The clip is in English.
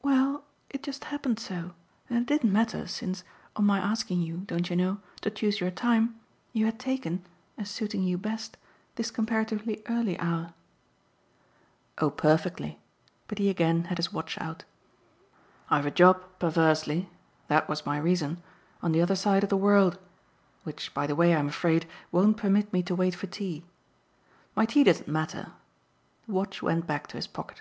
"Well, it just happened so, and it didn't matter, since, on my asking you, don't you know? to choose your time, you had taken, as suiting you best, this comparatively early hour." "Oh perfectly." But he again had his watch out. "I've a job, perversely that was my reason on the other side of the world; which, by the way, I'm afraid, won't permit me to wait for tea. My tea doesn't matter." The watch went back to his pocket.